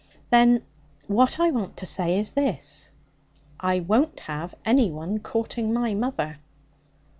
'Then what I want to say is this I won't have any one courting my mother.'